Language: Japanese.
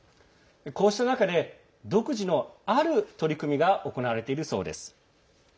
こうした中で独自の、ある取り組みが行われているそうです。